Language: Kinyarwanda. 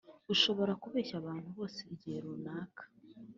ushobora kubeshya abantu bose igihe runaka